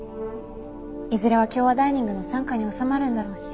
いずれは京和ダイニングの傘下に収まるんだろうし。